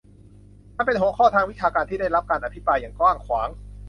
มันเป็นหัวข้อทางวิชาการที่ได้รับการอภิปรายอย่างกว้างขวาง